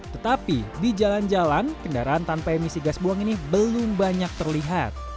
tetapi di jalan jalan kendaraan tanpa emisi gas buang ini belum banyak terlihat